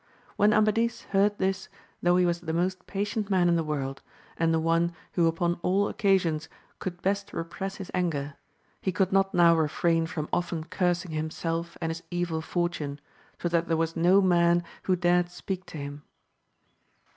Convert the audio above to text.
When Amadis heard this, though he was the most patient man in the world, and the on« who 330 AMADIS OF 6AVL. » upon all occasions could best repress his anger, he could not now refrain from often cursing himself and his evil fortune, so that there was no man who dared speak to him.